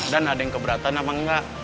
dan ada yang keberatan apa enggak